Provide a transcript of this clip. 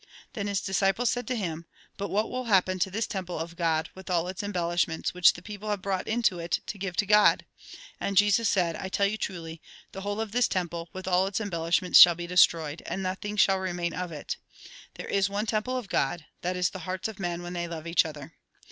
Then his disciples said to him :" But what will happen to this temple of God, with all its embel lisliments which people have brought into it, to give to God." And Jesus said :" I tell you truly, the whole of this temple, with all its embellish ments, shall be destroyed, and nothing shall remain of it. There is one temple of God ; that is, the hearts of men when they love each other."